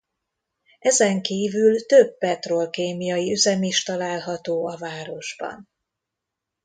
Ezenkívül több petrolkémiai üzem is található a városban.